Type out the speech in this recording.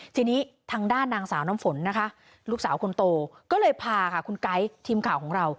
ทีนี้ทางด้านนางสาวน้ำฝนนะคะลูกสาวคนโตก็เลยพาค่ะคุณไก๊ทีมข่าวของเรา